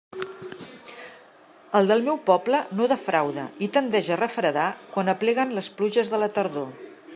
El del meu poble no defrauda i tendeix a refredar quan apleguen les pluges de la tardor.